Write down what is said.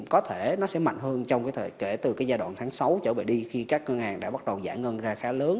có thể nó sẽ mạnh hơn trong kể từ giai đoạn tháng sáu trở về đi khi các ngân hàng đã bắt đầu giải ngân ra khá lớn